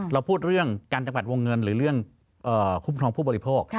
เราพูดเรื่องการจำกัดวงเงินหรือเรื่องคุ้มครองผู้บริโภค